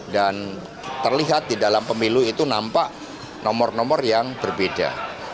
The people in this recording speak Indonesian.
dan terlihat di dalam pemilu itu nampak nomor nomor yang berbeda